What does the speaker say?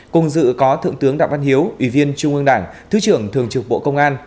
cùng dự có thượng tướng đạm hiếu ủy viên trung ương đảng thứ trưởng thường trực bộ công an